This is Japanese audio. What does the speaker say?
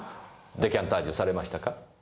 デカンタージュされましたか？